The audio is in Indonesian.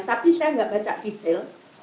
tapi saya nggak baca detail